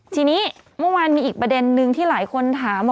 ทีนี้เมื่อวานมีอีกประเด็นนึงที่หลายคนถาม